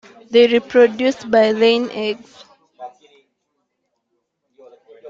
They reproduce by laying eggs.